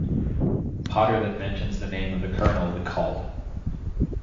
Potter then mentions the name of the colonel that called.